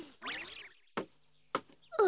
あ。